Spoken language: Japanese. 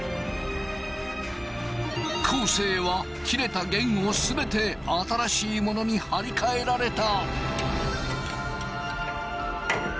昴生は切れた弦を全て新しいものに張り替えられた。